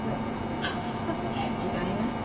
ハハハ違いました。